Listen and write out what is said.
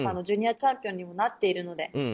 ジュニアチャンピオンにもなっているので。